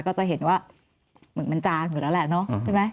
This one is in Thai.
ก็จะเห็นว่าหมึกมันจางอยู่แล้วแหละเนาะใช่ไหม